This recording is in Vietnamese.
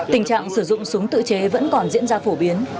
tình trạng sử dụng súng tự chế vẫn còn diễn ra phổ biến